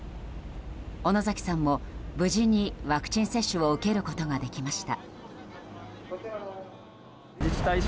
小野崎さんも無事にワクチン接種を受けることができました。